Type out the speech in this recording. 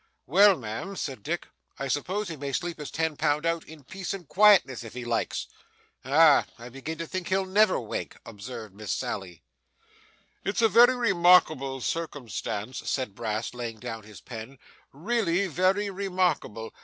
'Well, ma'am,' said Dick, 'I suppose he may sleep his ten pound out, in peace and quietness, if he likes.' 'Ah! I begin to think he'll never wake,' observed Miss Sally. 'It's a very remarkable circumstance,' said Brass, laying down his pen; 'really, very remarkable.